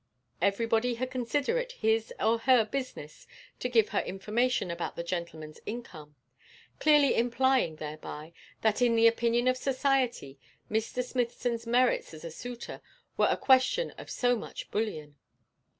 Everybody had considered it his or her business to give her information about the gentleman's income; clearly implying thereby that in the opinion of society Mr. Smithson's merits as a suitor were a question of so much bullion.